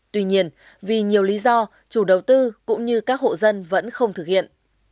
tuy nhiên vì nhiều lý do chủ đầu tư cũng như các hộ dân vẫn không thực hiện